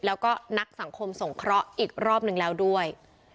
แล้วก็นักสังคมสงเคราะห์อีกรอบนึงแล้วด้วย